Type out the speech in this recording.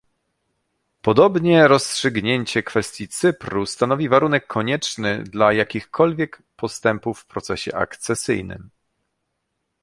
Podobnie rozstrzygnięcie kwestii Cypru stanowi warunek konieczny dla jakichkolwiek postępów w procesie akcesyjnym